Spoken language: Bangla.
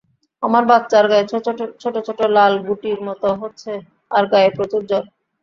আমার বাচ্চার গায়ে ছোট ছোট লাল গুটির মত হচ্ছে আর গায়ে প্রচুর জ্বর।